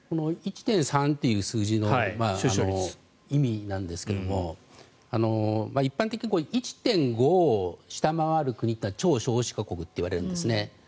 １．３という数字の意味なんですが一般的に１．５を下回る国というのは超少子国といわれるんですね